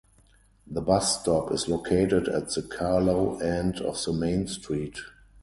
The bus stop is located at the Carlow end of the main street.